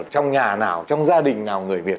trong nhà nào trong gia đình nào người việt